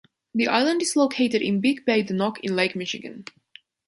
The island is located in Big Bay de Noc in Lake Michigan.